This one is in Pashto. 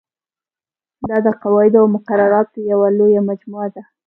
دا د قواعدو او مقرراتو یوه لویه مجموعه ده.